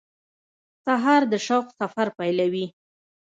سهار د شوق سفر پیلوي.